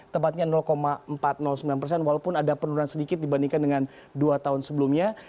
tepatnya empat ratus sembilan persen walaupun ada penurunan sedikit dibandingkan dengan dua tahun sebelumnya